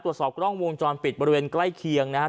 ตรวจสอบกล้องวงจรปิดบริเวณใกล้เคียงนะครับ